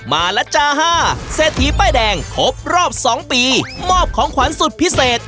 มาล่ะจ๊ะฮ่าเศรษฐีป้ายแดงหบรอบสองปีมอบของขวัญสุดพิเศษ